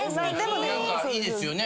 何かいいですよね。